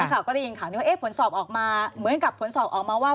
ข่าวก็ได้ยินข่าวนี้ว่าผลสอบออกมาเหมือนกับผลสอบออกมาว่า